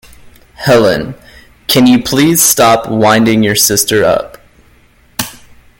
Helen, can you please stop winding your sister up?